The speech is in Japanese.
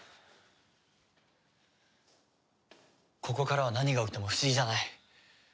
ここからは何が起きても不思議じゃない。